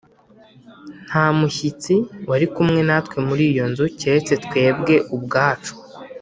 Nta mushyitsi wari kumwe natwe muri iyo nzu, keretse twebwe ubwacu